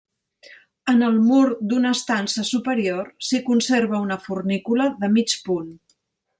En el mur d'una estança superior s'hi conserva una fornícula de mig punt.